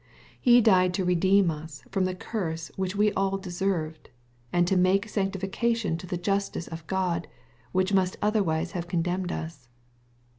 He died to redeem us from the curse which we all deserved, and to make satisfaction to the justice of God, which must otherwise have condemned us.